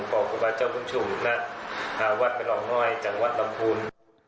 ขอบคุณพระเจ้าพุทธชูหุ่นนะวัดเป็นรองน้อยจากวัดลำคูณ